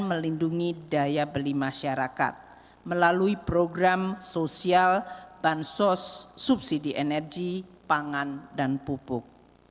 melindungi daya beli masyarakat melalui program sosial bansos subsidi energi pangan dan pupuk